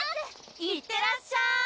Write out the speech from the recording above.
いってらっしゃい